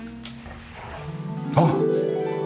あっ！